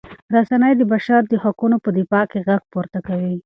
رسنۍ د بشر د حقونو په دفاع کې غږ پورته کوي.